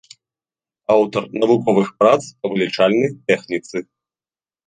Аўтар навуковых прац па вылічальнай тэхніцы.